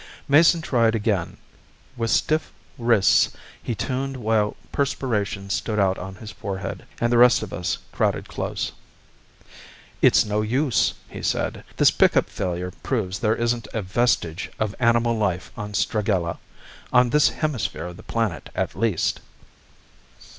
Mason tried again. With stiff wrists he tuned while perspiration stood out on his forehead, and the rest of us crowded close. "It's no use," he said. "This pickup failure proves there isn't a vestige of animal life on Stragella on this hemisphere of the planet, at least."